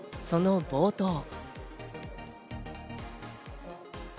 その冒頭。